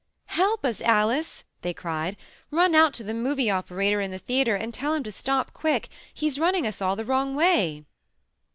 "Help us, Alice." they cried. "Run out to the movie operator in the theater and tell him to stop, quick. He's running us all the wrong way